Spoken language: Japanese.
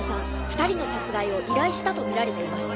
二人の殺害を依頼したと見られています